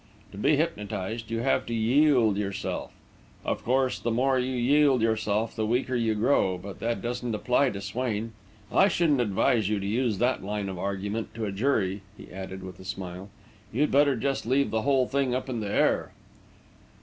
To be hypnotised, you have to yield yourself. Of course, the more you yield yourself, the weaker you grow, but that doesn't apply to Swain. I shouldn't advise you to use that line of argument to a jury," he added, with a smile. "You'd better just leave the whole thing up in the air."